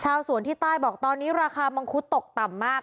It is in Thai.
ชาวสวนที่ใต้บอกตอนนี้ราคามังคุดตกต่ำมาก